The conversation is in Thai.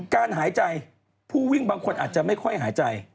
การหายใจผู้วิ่งบางคนอาจจะไม่ค่อยหายใจ